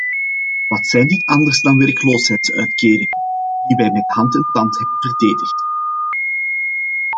Wat zijn dit anders dan werkloosheidsuitkeringen, die wij met hand en tand hebben verdedigd?